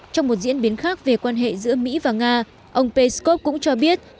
trong một diễn biến khác về quan hệ giữa mỹ và nga ông peskov cũng cho biết